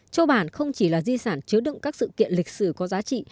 châu bản không chỉ là di sản chứa đựng các sự kiện lịch sử có giá trị